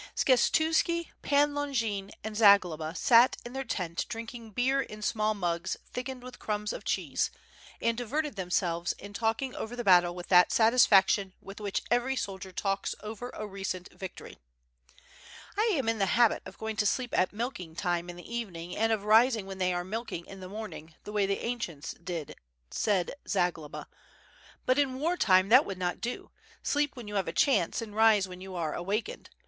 Skshetuski, Pan Longin and Zagloba sat in their tent drinking beer in small mugs thickened with crumbs of cheese, and diveri; ed themselves in talking over the battle with that satisfaction with which every soldier talks over a recent victory. "I am in the habit of going to sleep at milking time in the evening and of rising when they are milking in the morning, the way the ancients did," said Zagloba, "but in war time that would not do; sleep when you have a chance and rise when you are awakened.